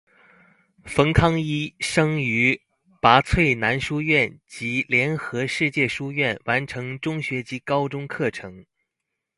冯康医生于拔萃男书院及联合世界书院完成中学及高中课程。